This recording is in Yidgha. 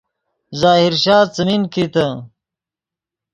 ظاہر شاہ څیمین کیتے